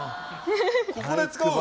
ここで使うの？